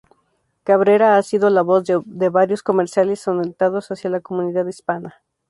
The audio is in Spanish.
Cabrera ha sido la voz de varios comerciales orientados hacia la comunidad hispana.